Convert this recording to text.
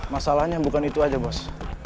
masalahnya bukan itu aja bos